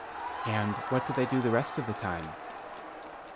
"And what do they do the rest of the time?"